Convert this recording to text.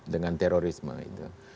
dengan terorisme itu